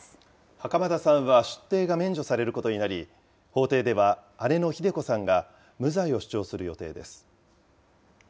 袴田さんは出廷が免除されることになり、法廷では姉のひで子さんが無罪を主張する予定です。